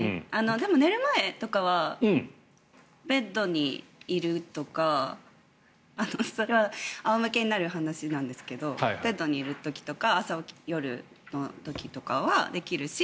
でも、寝る前とかはベッドにいるとかそれは仰向けになる話なんですけどベッドにいる時とか朝、夜の時とかはできるし。